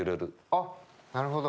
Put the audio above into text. あっなるほど！